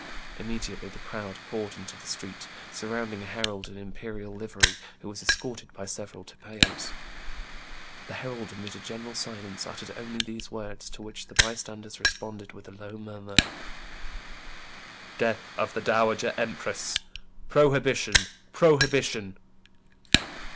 Immediately the crowd poured into the street, surrounding a herald in imperial livery, who was escorted by several tipaos. The herald, amid a general silence, uttered only these words, to which the bystanders responded with a low murmur, —" Death of the dowager empress !" Prohibition ! prohibition